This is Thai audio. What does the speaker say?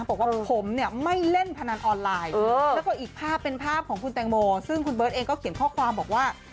บอกว่าผมเนี่ยไม่เล่นพนันออนไลน์แล้วก็อีกภาพเป็นภาพของคุณแตงโมซึ่งคุณเบิร์ตเองก็เขียนข้อความบอกว่า